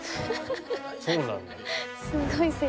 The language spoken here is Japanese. そうなんだね。